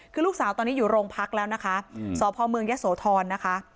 คือลูกสาวตอนนี้อยู่โรงพักแล้วนะคะอืมสอบภอมเมืองเย็ดโสทรนะคะ